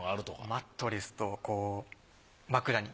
マットレスと枕に。